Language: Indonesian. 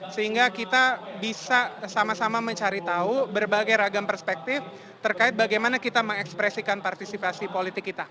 sehingga kita bisa sama sama mencari tahu berbagai ragam perspektif terkait bagaimana kita mengekspresikan partisipasi politik kita